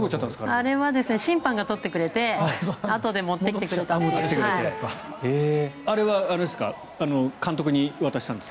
あれは審判がとってくれてあとで持ってきてくれたんです。